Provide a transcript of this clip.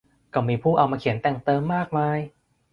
ก็มีผู้เอามาเขียนแต่งเติมมากมาย